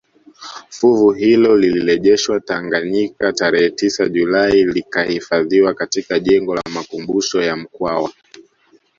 Fuvu hilo lilirejeshwa Tanganyika tarehe tisa Julai likahifadhiwa katika jengo la makumbusho ya Mkwawa